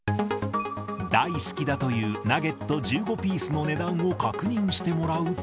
大好きだというナゲット１５ピースの値段を確認してもらうと。